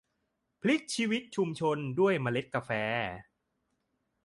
พลิกชีวิตชุมชนด้วยเมล็ดกาแฟ